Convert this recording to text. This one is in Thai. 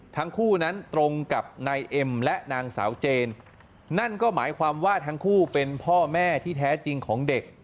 ทั้งคู่นั้นตรงกับนายเอ็มและนางสาวเจนนั่นก็หมายความว่าทั้งคู่เป็นพ่อแม่ที่แท้จริงของเด็ก